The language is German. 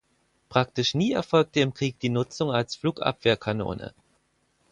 Praktisch nie erfolgte im Krieg die Nutzung als Flugabwehrkanone.